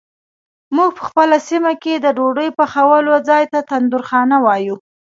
مونږ په خپله سیمه کې د ډوډۍ پخولو ځای ته تندورخانه وایو.